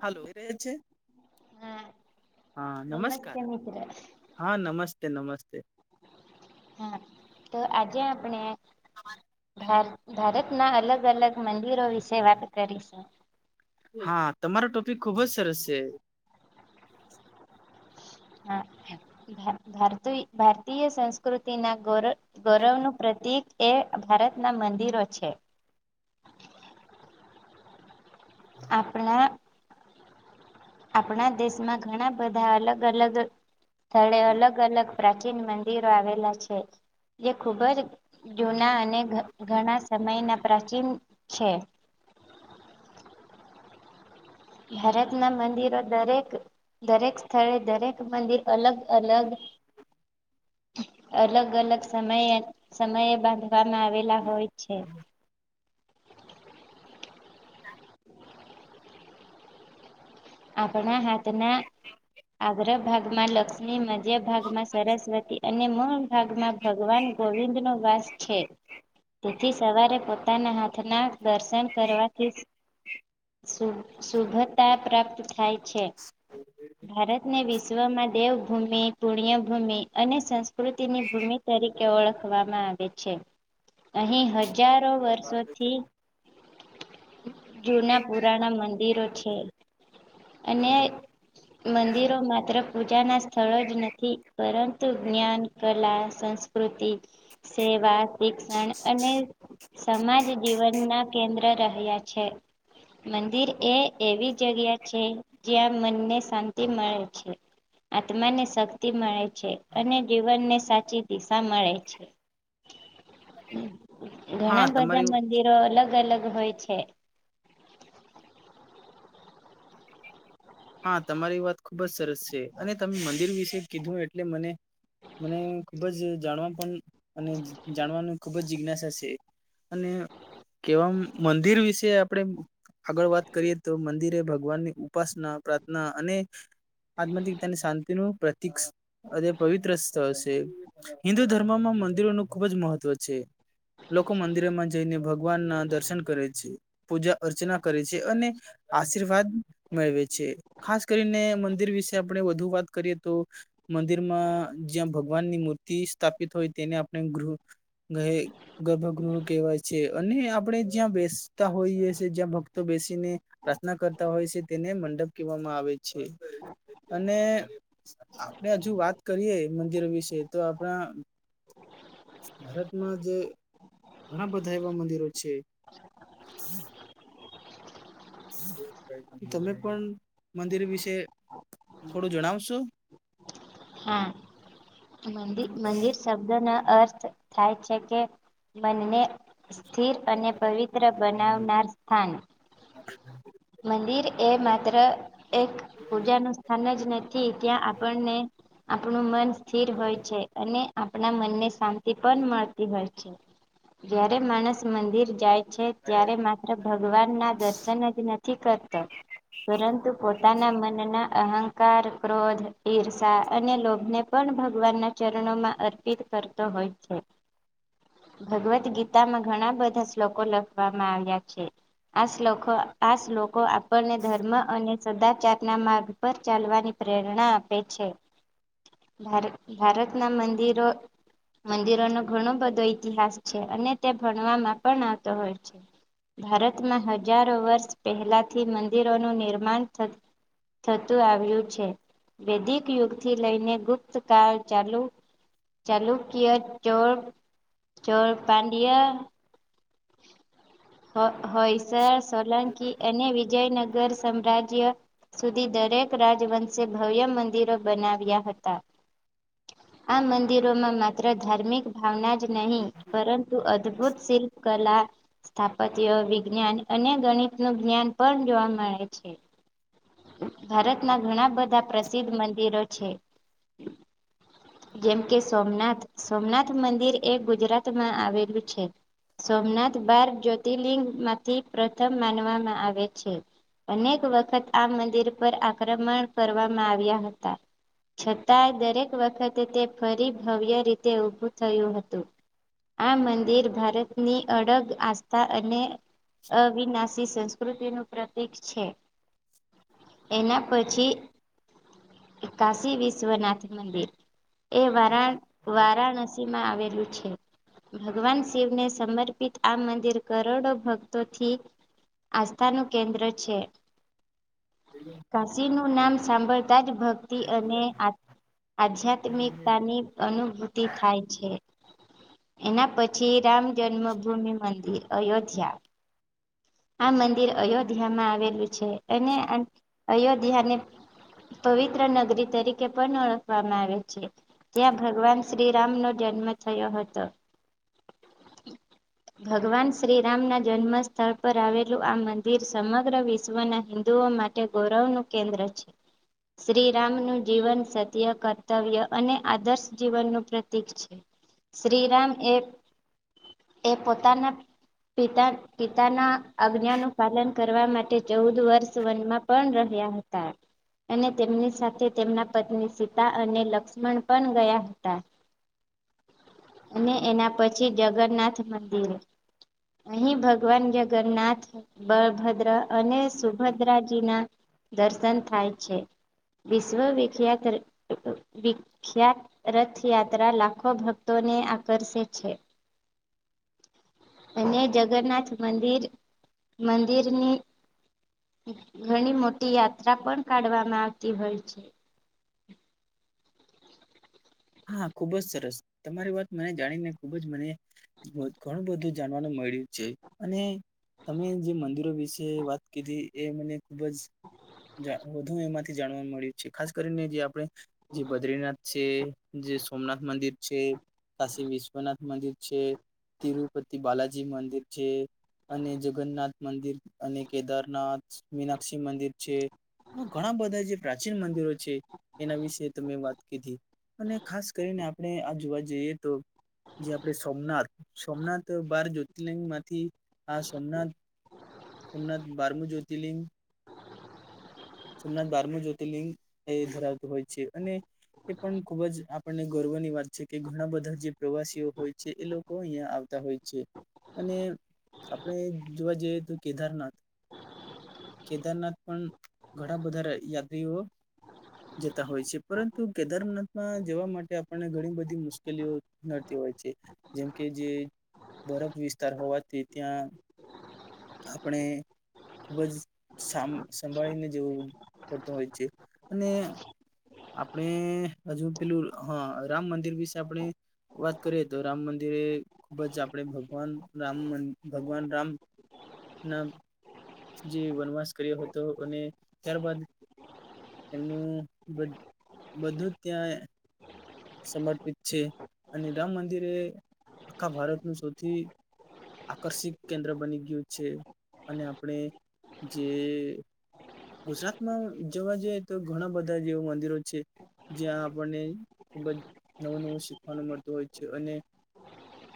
Hello રે છે હા હા નમસ્કાર નમસ્તે મિત્ર હા નમસ્તે નમસ્તે હા તો આજે આપણે ભાર ભારતના અલગ અલગ મંદિરો વિશે વાત કરીશું. હા તમારો ટોપિક ખુબ જ સરસ છે. હા ભ ભારતી ભારતીય સંસ્કૃતિ ના ગોર ગૌરવનું પ્રતિક એ ભારતના મંદિરો છે. આપણા આપણા દેશમાં ઘણા બધા અલગ અલગ સ્થળે અલગ અલગ પ્રાચીન મંદિરો આવેલા છે જે ખૂબ જ જૂના અને ઘણા સમયના પ્રાચીન છે. ભારત ના મંદિરો દરેક દરેક સ્થળે દરેક મંદિર અલગ અલગ અલગ અલગ સમયે સમયે બાધ વામાં આવેલા હોય છે. આપણા હાથના આગ્ર ભાગમાં લ ની મધ્ય ભાગમાં સરસ્વતી અને મૂળ ભાગમાં ભગવાન ગોવિંદનો વાસ છે તેથી સવારે પોતાના હાથ ના દર્શન કરવાથી શુભતા પ્રાપ્ત થાય છે. હ [inaudible] ભારતને વિશ્વમાં દેવભૂમિ પુણ્યભૂમિ અનેસંસ્કૃતિ પ્રવૃતિ ની ભૂમિ તરીકે ઓળખવામાં આવે છે અહી હર હજારો વર્ષોથી જૂના પુરાણા મંદિરો છે અને મંદિરો માત્ર પૂજાના સ્થળો જ નથી પરંતુ જ્ઞાન, કલા, સંસ્ સંસ્કૃતિ સેવા શિક્ષણ અને સમાજ જીવનના કેન્દ્ર રહ્યા છે. મંદિર એ એવી જગ્યા છે જ્યાં મનને શાંતિ મળે છે. આત્મા ને શક્તિ મળે છે અને જીવનને સાચી દિશા મળે છે. હા ઘણા બધા તમારી મંદિરો અલગ અલગ હોય છે. હા તમારી વાત ખુબ જ સરસ છે અને તમે મંદિર વિશે કીધું એટલે મને મને ખુબ જ જાણવા પણ અને જાણવાનું ખૂબ જ જિજ્ઞાસા છે. અને કેવા મંદિર વિશે આપડે આગળ વાત કરીએ તો મંદિરે ભગવાન ની ઉપાસના પ્રાર્થના અને આત્માંથી તેની શાંતિનું પ્રતિક અને પવિત્ર સ્થળ છે હિન્દુ ધર્મમાં મંદિરોનું ખૂબ જ મહત્વ છે. લોકો મંદિરમાં જઈને ભગવાન ના દર્શન કરે છે. પૂજા અર્ચના કરે છે અને આશીર્વાદ મેળવે છે ખાસ કરીને મંદિર વિશે આપડે વધુ વાત કરીએ તો મંદિરમાં જ્યાં ભગવાનની મૂર્તિ સ્થાપિત હોય તેને ગૃહ ઘએ ગર્ભગૃહો કહેવાય છે અને આપડે જ્યાં બેસતા હોઈએ છીએ જ્યાં ભક્તો બેસીને પ્રાર્થના કરતા હોય છે તેને મંડપ કહેવામાં આવે છે. અને આપણે હજુ વાત કરીએ મંદિરો વિશે તો આપણા ભારતમાં જે ઘણા બધા એવા મંદિરો છે. તમે પણ મંદિર વિશે થોડું જણાવશો. હા મંદિ મંદિર શબ્દો ના અર્થ થાય છે કે મનને સ્થિર અને પવિત્ર બનાવનાર સ્થાન. [inaudible] મંદિર એ માત્ર એક પૂજા નું સ્થાન જ નથી ત્યાં આપણને આપણું મન સ્થિર હોય છે અને આપણા મનને શાંતિ પણ મળતી હોય છે. જ્યારે માણસ મંદિર જાય છે ત્યારે માત્ર ભગવાન ના દર્શન અજ નથી કરતા. પરંતુ પોતાના મનના અહંકાર ક્રોધ ઈર્ષા અને લોભને પણ ભગવાનના માં ચરણોમાં માં અર્પિત કરતો હોય છે. [inaudible] ભગવત ગીતામાં ઘણા બધા શ્લોકો લખવામાં આવ્યા છે. આ શ્લો આ શ્લોકો આપણને ધર્મ અને સદાચાર ના માર્ગ પર ચાલવાની પ્રેરણા આપે છે. ભારત ભારતના મંદિરો મંદિરો નો ઘણો બધો ઈતિહાસ છે અને તે ભણવામાં પણ આવતો હોય છે. ભારતમાં હજારો વર્ષ પહેલાથી મંદિરોનું નિર્માણ થ થતું આવ્યું છે. વૈદિક યુગ થી લઈને ગુપ્ત કાળ ચાલુ ચાલુ કિયા ચોર ચોર પાડિયા. હ હોઈસર સોલંકી અને વિજયનગર સામ્રાજ્ય. સુધી દરેક રાજવંશે ભવ્ય મંદિરો બનાવ્યા હતા. આ મંદિરોમાં માત્ર ધાર્મિક ભાવના જ નહીં પરં અદ્ભુત શિલ્પ કલા, સ્થાપત્ય, વિજ્ઞાન અને ગણિત. નું જ્ઞાન પણ જોવા મળે છે. ભારતના ઘણા બધા પ્રસિદ્ધ મંદિરો છે. જેમ કે સોમનાથ, સોમનાથ મંદિર એ ગુજરાતમાં આવેલું છે. સોમનાથ બાર જ્યોતિર્લિંગ માંથી પ્રથમ માનવામાં આવે છે. અનેક વખત આ મંદિર પર આક્રમણ કરવામાં આવ્યા હતા. છતાંય દરેક વખતે તે ફરી ભવ્ય રીતે ઊભું થયું હતું. આ મંદિર ભારતની અડગ, આસ્થા અને અવિનાશ સંસ્કૃતિનું પ્રતીક છે એના પછી કાશી વિશ્વનાથ મંદિર એ વારા વારાણસી સી માં આવેલું છે. ભગવાન શિવને સમર્પિત આ મંદિર કરોડો ભક્તોથી. આસ્થાનું કેન્દ્ર કાશી નું નામ. સાંભળતા જ ભક્તિ અને આ આધ્યાત્મિકતાની અનુભૂતિ થાય છે. એના પછી રામ જન્મભૂમિ મંદિર અયોધ્યા. આ મંદિર અયોધ્યામાં આવેલું છે અને અયોધ્યાને પવિત્ર નગરી તરીકે પણ ઓળખવામાં આવે છે. ત્યાં ભગવાન શ્રીરામ નો જન્મ થયો હતો. [inaudible] ભગવાન શ્રીરામ ના જન્મ સ્થળ પર આવે જો આ મંદિર સમગ્ર વિશ્વના હિન્દુઓ માટે ગૌરવનું કેન્દ્ર છે. શ્રીરામનું જીવન સત્ય, કર્તવ્ય અને આદર્શ જીવનનું પ્રતીક છે. શ્રી રામ એ. એ પોતાના પિતા પિતાના. અજ્ઞાનું પાલન કરવા માટે ચૌદ વર્ષ વનમાં પણ રહ્યા હતા. અને તેમની સાથે તેમના પત્ની સીતા અને લક્ષ્મણ પણ ગયા હતા. [inaudible] અને એના પછી જગન્નાથ મંદિરે. અહીં ભગવાન જગન્નાથ, બળભદ્રા અને સુભદ્રાજીના. દર્શન થાય છે વિશ્વ વિખ્યાત વી ખ્યાત રથયાત્રા લાખો ભક્તોને આકર્ષે છે. [inaudible] અને જગન્નાથ મંદિર. મંદિરની ઘણી મોટી યાત્રા પણ કાઢવામાં આવતી હોય છે. હા ખુબ જ સરસ તમારી વાત મને જાણીને ખુબ જ મને ઘણું બધું જાણવાનું મળ્યું છે અને તમે જે મંદિરો વિશે વાત કીધી એ મને ખુબ જ. વધુ એમાંથી જાણવા મળ્યું છે ખાસ કરીને જે આપણે જે બદ્રીનાથ છે. જે સોમનાથ મંદિર છે, કાશી વિશ્વનાથ મંદિર છે. તિરુપતિ બાલાજી મંદિર છે. અને જગન્નાથ મંદિર અને કેદારનાથ મીનાક્ષી મંદિર છે. ઘણા બધા જે પ્રાચીન મંદિરો છે એના વિશે તમે વાત કીધી અને ખાસ કરીને આપણે આ જોવા જઈએ તો જે આપડે સોમનાથ સોમનાથ બાર જ્યોતિર્લિંગ માંથી આ સોમનાથ સોમનાથ બારમુ જ્યોતિર્લિંગ સોમનાથ બારમું જ્યોતિર્લિંગ એ ધરાવતું હોય છે અને એ પણ ખુબ જ આપણને ગર્વની વાત છે કે ઘણા બધા જે પ્રવાસીઓ હોય છે એ લોકો અહિયાં આવતા હોય છે. અને આપણે જોવા જઈએ તો કેદારનાથ કેદારનાથ પણ ઘણા બધા યાત્રીઓ જતા હોય છે પરંતુ કેદારનાથ માં જવા માટે આપણને ઘણી બધી મુશ્કેલીઓ નડતી હોય છે જેમ કે જે બરફ વિસ્તાર હોવાથી ત્યાં આપણે ખૂબ જ સા સંભાળીને જેવું પડતું હોય છે અને આપણે હજુ પેલું હા રામ મંદિર વિશે આપણે વાત કરીએ તો રામ મંદિરે ખૂબ જ આપણે ભગવાન રામ મન ભગવાન રામ નામ જે વનવાસ કર્યો હતો અને ત્યારબાદ એમનું બ બધું ત્યાંય સમર્પિત છે અને રામ મંદિરે એ આખા ભારતનું સૌથી આકર્ષિક કેન્દ્ર બની ગયું છે અને આપણે જે ગુજરાતમાં જવા જઈએ તો ઘણા બધા જેવા મંદિરો છે. જ્યાં આપણને ખુબ જ નવું નવું શીખવાનું મળતું હોય છે અને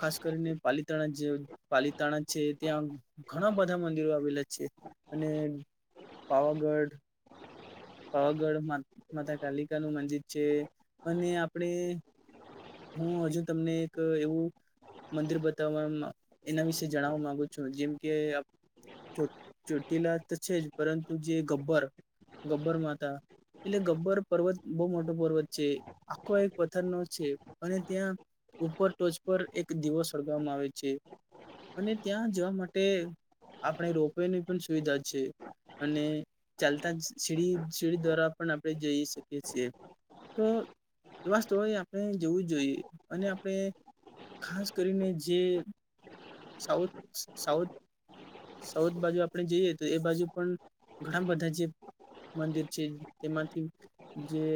ખાસ કરીને પાલીતાણા જે પાલીતાણા છે ત્યાં ઘણા બધા મંદિરો આવેલા છે અને પાવાગઢ પાવાગઢ માતા કાલિકા નું મંદિર છે અને આપણે હું હજુ તમને એક એવું મંદિર બતાવવા એના વિશે જણાવવા માંગુ છું જેમ કે ચોટ ચોટીલા તો છે જ પરંતુ જે ગબ્બર ગબ્બર માતા એટલે ગબ્બર પર્વત બહુ મોટો પર્વત છે આખો એક પથ્થરનો છે અને ત્યાં ઉપર ટોચ પર એક દીવો સળગાવવામાં આવે છે અને ત્યાં જવા માટે આપણે રોપ-વેની પણ સુવિધા છે અને ચાલતા સીડી સીડી દ્વારા પણ આપણે જઈ શકીએ છીએ તો એવા સ્થળોએ આપણે જવું જ જોઈએ અને આપણે ખાસ કરીને જે સાઉથ સાઉથ સાઉથ બાજુ આપણે જઈએ તો એ બાજુ પણ ઘણા બધા જે મંદિર છે તેમાંથી જે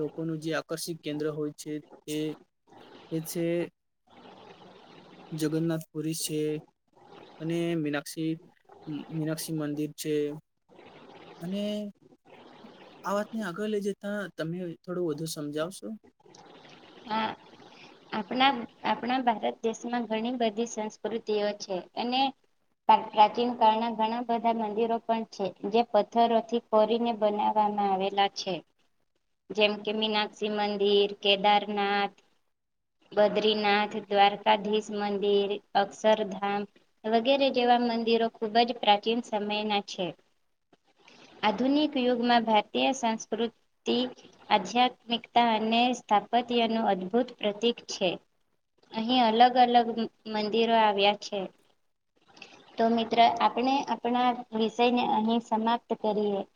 લોકોનું જે આકર્ષિત કેન્દ્ર હોય છે તે એ છે જગન્નાથપુરી છે અને મીનાક્ષી મીનાક્ષી મંદિર છે અને આ વાતને આગળ લઈ જતા તમે થોડું વધુ સમજાવશો હા આપણા આપણા ભારત દેશમાં ઘણી બધી સંસ્કૃતિઓ છે અને પ્રાચીન કાળના ઘણા બધા મંદિરો પણ છે જે પથ્થરોથી કોરીને બનાવવામાં આવેલા છે. જેમ કે મીનાક્ષી મંદિર કેદારનાથ બદ્રીનાથ દ્વારકાધીશ મંદિર અક્ષરધામ વગેરે જેવા મંદિરો ખુબ જ પ્રાચીન સમયના છે. આધુનિક યુગમાં ભારતીય સંસ્કૃતિ આધ્યાત્મિકતા અને સ્થાપત્યનું અદ્ભુત પ્રતીક છે અહીં અલગ અલગ મંદિરો આવ્યા છે. તો મિત્ર આપણે આપણા વિષયને અહી સમાપ્ત કરીએ